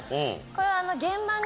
これは。